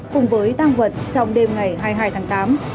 cùng với tăng vật trong đêm ngày hai mươi hai tháng tám